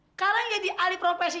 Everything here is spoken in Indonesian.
sekarang jadi ahli profesi